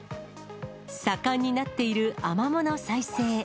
盛んになっているアマモの再生。